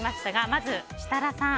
まず、設楽さん。